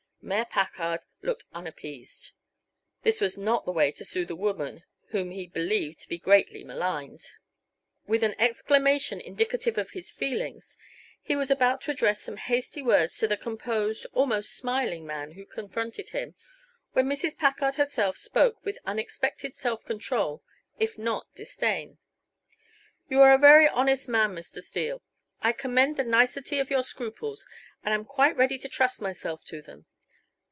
Mayor Packard looked unappeased. This was not the way to soothe a woman whom he believed to be greatly maligned. With an exclamation indicative of his feelings, he was about to address some hasty words to the composed, almost smiling, man who confronted him, when Mrs. Packard herself spoke with unexpected self control, if not disdain. "You are a very honest man, Mr. Steele. I commend the nicety of your scruples and am quite ready to trust myself to them.